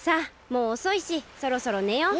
もうおそいしそろそろねよう。